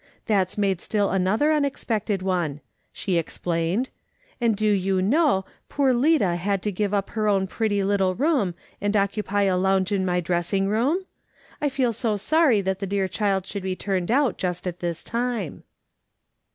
" That's made still another unexpected one," she explained. " And do you know, poor Lida had to give up her own pretty little room, and occupy a lounge in my dressing room ? I feel so sorry that the dear child should be turned out just at this time."